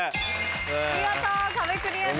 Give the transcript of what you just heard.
見事壁クリアです。